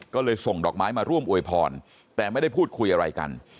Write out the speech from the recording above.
ก็เลยส่งดอกไม้มาร่วมอวยพรแต่ไม่ได้พูดคุยอะไรกัน